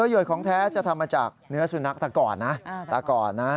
โยยของแท้จะทำมาจากเนื้อสุนัขตะก่อนนะ